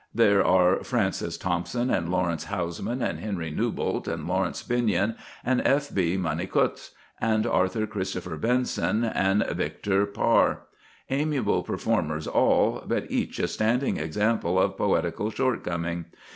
There are Francis Thompson, and Laurence Housman, and Henry Newbolt, and Laurence Binyon, and F.B. Money Coutts, and Arthur Christopher Benson, and Victor Plarr amiable performers all, but each a standing example of poetical shortcoming.